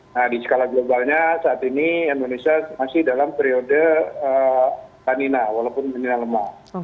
nah di skala globalnya saat ini indonesia masih dalam periode tanina walaupun minina lemah